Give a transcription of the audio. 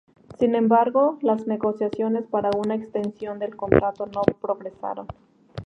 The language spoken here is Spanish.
Sin embargo, las negociaciones para una extensión del contrato no progresaron.